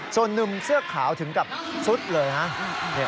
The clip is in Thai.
ส่วนนุ่มเสื้อขาวถึงกับซุดเลยนะ